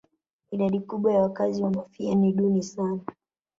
Idadi kubwa ya wakazi wa Mafia ni duni sana